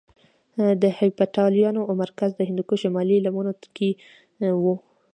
د هېپتاليانو مرکز د هندوکش شمالي لمنو کې کې وو